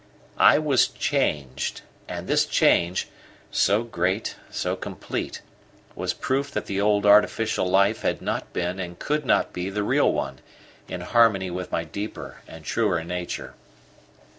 I was changed, and this change so great, so complete was proof that the old artificial life had not been and could not be the real one, in harmony with my deeper and truer nature.